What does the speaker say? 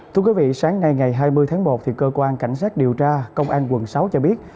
thưa quý vị sáng nay ngày hai mươi tháng một cơ quan cảnh sát điều tra công an quận sáu cho biết